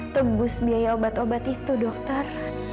tembus biaya obat obat itu dokter